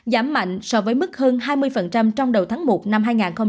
giảm mạnh so với mức hơn hai mươi trong đầu tháng một năm hai nghìn hai mươi